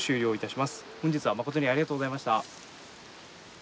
本日は誠にありがとうございました。